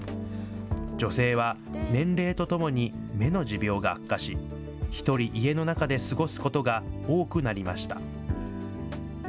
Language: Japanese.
女性は年齢とともに目の持病が悪化し、１人、家の中で過ごすことが多くなりました。